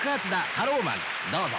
タローマン」どうぞ。